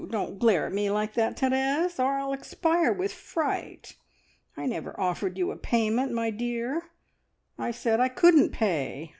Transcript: Don't glare at me like that, Therese, or I'll expire with fright! I never offered you a payment, my dear; I said I couldn't pay.